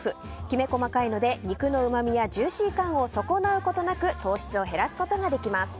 きめ細かいので肉のうまみやジューシー感を損なうことなく糖質を減らすことができます。